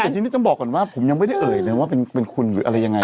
แต่จริงนี่ต้องบอกก่อนว่าผมยังไม่ได้เอ่ยเลยว่าเป็นคุณหรืออะไรยังไง